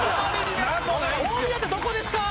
大宮ってどこですか？